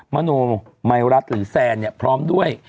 มโนมัยรัตน์หรือแซนพร้อมด้วย